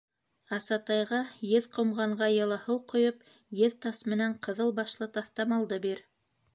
Аса-тайға еҙ ҡомғанға йылы һыу ҡойоп, еҙ тас менән ҡыҙыл башлы таҫтамалды бир.